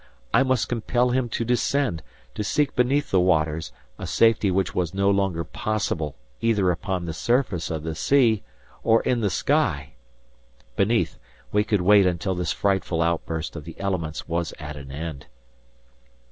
I must compel him to descend, to seek beneath the waters, a safety which was no longer possible either upon the surface of the sea or in the sky! Beneath, we could wait until this frightful outburst of the elements was at an end!